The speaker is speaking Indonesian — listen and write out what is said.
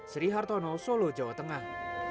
sri hartono solo jawa tengah